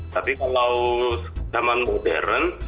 tapi kalau zaman modern